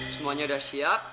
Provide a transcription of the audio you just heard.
semuanya udah siap